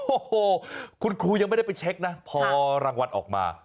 โอ้โหคุณครูยังไม่ได้ไปเช็คนะพอรางวัลออกมา